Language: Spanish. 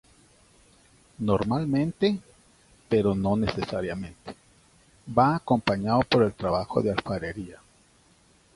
Normalmente, pero no necesariamente, va acompañado por el trabajo de la alfarería.